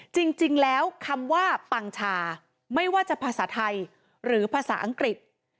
จริงแล้วคำว่าปังชาไม่ว่าจะภาษาไทยหรือภาษาอังกฤษ